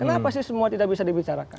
kenapa sih semua tidak bisa dibicarakan